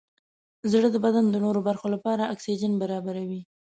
زړه د بدن د نورو برخو لپاره اکسیجن برابروي.